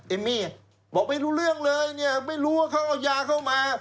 เอมมี่บอกไม่รู้เรื่องเลยเนี่ยไม่รู้ว่าเขาเอายาเข้ามา